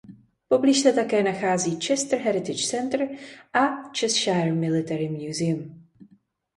Poblíž se také nachází "Chester Heritage Centre" a "Cheshire Military Museum".